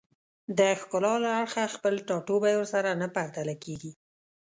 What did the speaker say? د ښکلا له اړخه خپل ټاټوبی ورسره نه پرتله کېږي